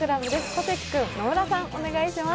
小関君、野村さん、お願いします。